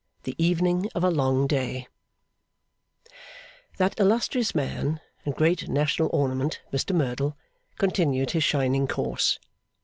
The Evening of a Long Day That illustrious man and great national ornament, Mr Merdle, continued his shining course.